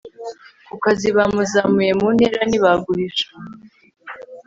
ku kazi bamuzamuye mu ntera ntabiguhisha